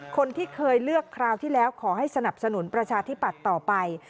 คนที่เคยเลือกคราวที่แล้วขอให้สนับสนุนประชาธิปัตย์ต่อไป